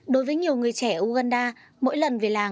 đối với nhiều người trẻ ở uganda mỗi lần về làng